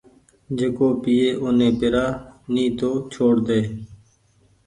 جيڪو پيئي اوني پيرآ ني تو چهوڙ ۮي